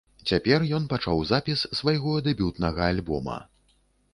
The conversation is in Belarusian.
Цяпер ён пачаў запіс свайго дэбютнага альбома.